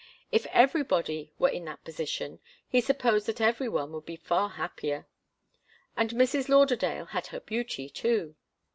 If everybody were in that position, he supposed that every one would be far happier. And Mrs. Lauderdale had her beauty, too.